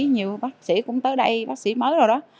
nhiều bác sĩ cũng tới đây bác sĩ mới rồi đó